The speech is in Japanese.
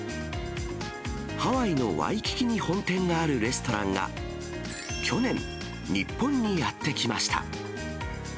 ハワイのワイキキに本店があるレストランが、去年、日本にやって来ました。